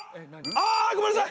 ああごめんなさい！